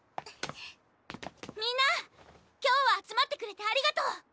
みんな今日は集まってくれてありがとう！